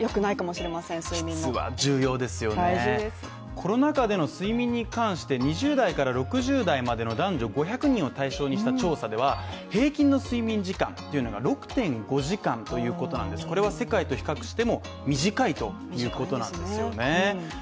コロナ禍での睡眠に関して２０代から６０代までの男女５００人を対象にした調査では、平均の睡眠時間というのが６．５時間ということなんですこれは世界と比較しても短いということなんです